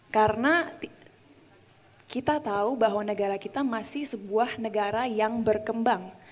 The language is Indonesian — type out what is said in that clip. karena kita tahu bahwa negara kita masih sebuah negara yang berkembang